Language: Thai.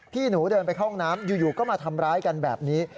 พี่หนูเดินไปเข้าห้องน้ำอยู่ก็มาทำร้ายกันแบบนี้